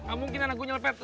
gak mungkin anak gua nyelepet